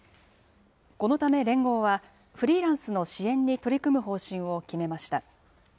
このため連合は、フリーランスの支援に取り組む方針を決めました。